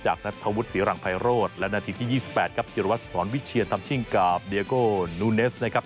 นัทธวุฒิศรีรังไพโรธและนาทีที่๒๘ครับจิรวัตรสอนวิเชียนทำชิ่งกับเดียโกนูเนสนะครับ